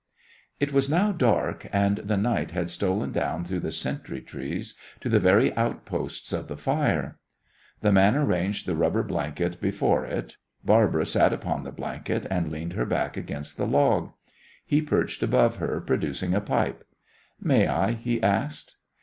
It was now dark, and the night had stolen down through the sentry trees to the very outposts of the fire. The man arranged the rubber blanket before it. Barbara sat upon the blanket and leaned her back against the log. He perched above her, producing a pipe. "May I?" he asked.